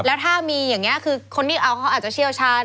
แล้วถ้ามีอย่างนี้คือคนที่เอาเขาอาจจะเชี่ยวชาญ